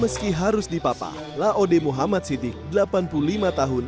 meski harus dipapah laode muhammad siddiq delapan puluh lima tahun